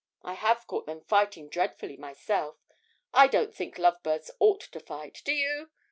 I have caught them fighting dreadfully myself. I don't think lovebirds ought to fight. Do you?